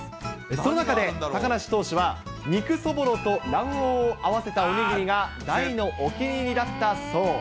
その中で、高梨投手は肉そぼろと卵黄を合わせたお握りが大のお気に入りだったそう。